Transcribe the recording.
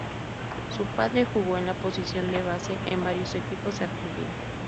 Su padre jugó en la posición de base en varios equipos de Argentina.